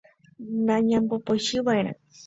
Nañambopochyiva'erã.